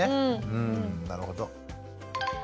うんなるほど。